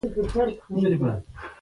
ټپي ته باید د زړورتیا مثال ورکړو.